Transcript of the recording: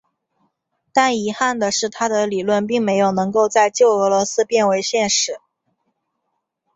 但遗憾的是他的理论并没有能够在旧俄罗斯变为现实。